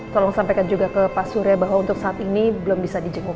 tolong sampaikan juga ke pak surya bahwa untuk saat ini belum bisa dijenguk